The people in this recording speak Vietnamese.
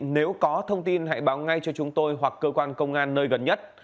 nếu có thông tin hãy báo ngay cho chúng tôi hoặc cơ quan công an nơi gần nhất